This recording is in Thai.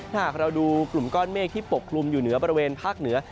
ถ้าหากเราดูกลุ่มก้อนเมฆที่ปกคลุมอยู่เหนือบริเวณภาคเหนือ